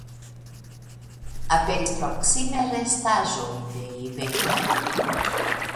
Aperis proksime restaĵoj de iberoj.